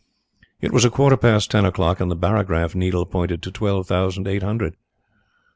It was a quarter past ten o'clock, and the barograph needle pointed to twelve thousand eight hundred.